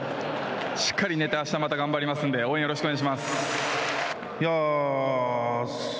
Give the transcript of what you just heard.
しっかり寝てあした、また頑張りますので応援よろしくお願いします。